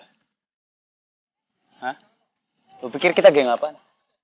hah lo pikir kita geng apaan